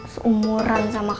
seumuran sama kakak